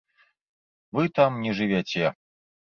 Вы там не жывяце.